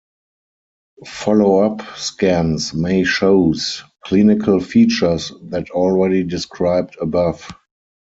Follow up scans may shows clinical features that already described above.